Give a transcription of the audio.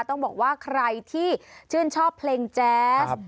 ต้องบอกว่าใครที่ชื่นชอบเพลงแจ๊ส